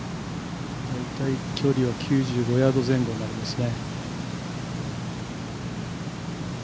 大体、距離は９５ヤード前後になりますね。